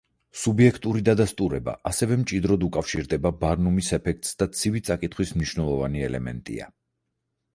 სუბიექტური დადასტურება ასევე მჭიდროდ უკავშირდება ბარნუმის ეფექტს და ცივი წაკითხვის მნიშვნელოვანი ელემენტია.